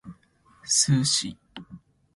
sushi